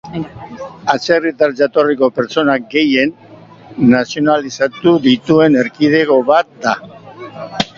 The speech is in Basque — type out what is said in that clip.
Atzerritar jatorriko pertsona gehien nazionalizatu dituen erkidegoetako bat da.